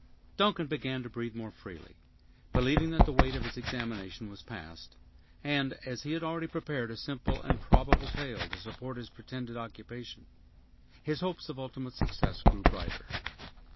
Duncan began to breathe more freely, believing that the weight of his examination was past; and, as he had already prepared a simple and probable tale to support his pretended occupation, his hopes of ultimate success grew brighter.